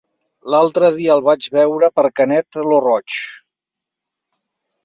L'altre dia el vaig veure per Canet lo Roig.